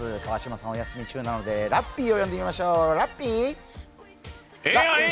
川島さん、お休み中なので、ラッピーを呼んでみましょう、ラッピー。